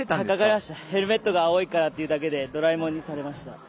ヘルメットが青いからというだけでドラえもんにされました。